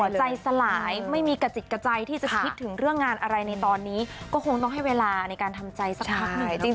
ใจสลายไม่มีกระจิตกระใจที่จะคิดถึงเรื่องงานอะไรในตอนนี้ก็คงต้องให้เวลาในการทำใจสักพักหนึ่ง